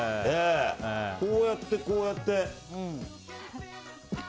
こうやって、こうやって。